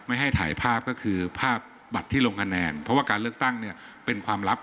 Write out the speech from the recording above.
ไม่ให้ถ่ายภาพก็คือภาพบัตรที่ลงคะแนนเพราะว่าการเลือกตั้งเนี่ยเป็นความลับ